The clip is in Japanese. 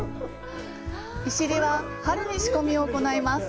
“いしり”は春に仕込みを行います。